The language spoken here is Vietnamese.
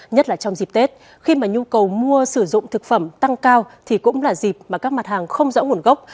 nhất là trong dịp tết khi mà nhu cầu mua sử dụng thực phẩm tăng cao thì cũng là dịp mà các mặt hàng không rõ nguồn gốc